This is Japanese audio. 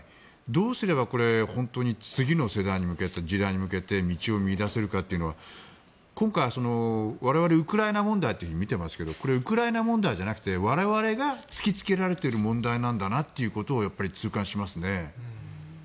どうすればこれ、本当に次の時代に向けて道を見いだせるかというのは今回我々、ウクライナ問題と見ていますけれどこれはウクライナ問題じゃなくて我々が突きつけられている問題なんだなということを痛感しますね。